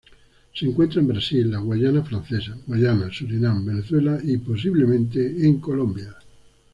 Se encuentra en Brasil, la Guayana Francesa, Guyana, Surinam, Venezuela y, posiblemente, en Colombia.